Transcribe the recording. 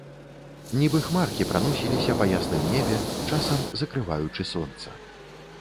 Нібы хмаркі праносіліся па ясным небе, часам закрываючы сонца.